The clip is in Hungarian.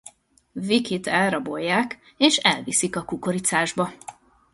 Vickyt elrabolják és elviszik a kukoricásba.